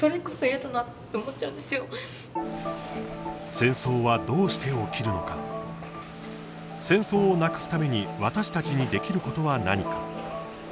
戦争はどうして起きるのか戦争をなくすために私たちにできることは何か。